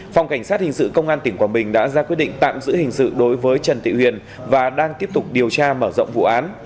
phòng cảnh sát hình sự công an tỉnh quảng bình đã ra quyết định tạm giữ hình sự đối với trần thị huyền và đang tiếp tục điều tra mở rộng vụ án